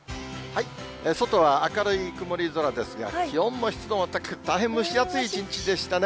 外は明るい曇り空ですが、気温も湿度も高く、大変蒸し暑い一日でしたね。